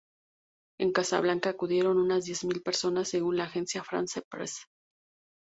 En Casablanca acudieron unas diez mil personas según la agencia France Presse.